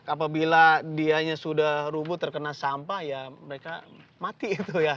apabila dianya sudah rubuh terkena sampah ya mereka mati itu ya